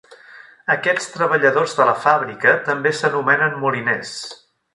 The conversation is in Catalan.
Aquests treballadors de la fàbrica també s'anomenen moliners.